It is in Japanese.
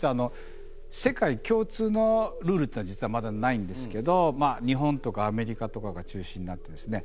世界共通のルールっていうのは実はまだないんですけど日本とかアメリカとかが中心になってですね